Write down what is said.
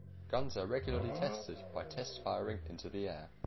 Guns are regularly tested by test-firing into the air.